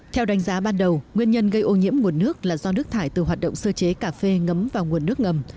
theo đánh giá ban đầu nguyên nhân gây ô nhiễm nguồn nước là do nước thải từ hoạt động sơ chế cà phê ngấm vào nguồn nước ngầm